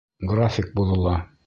График боҙола!